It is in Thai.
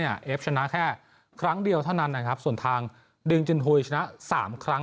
เอฟชนะแค่ครั้งเดียวเท่านั้นส่วนทางดิงจุนฮุยชนะ๓ครั้ง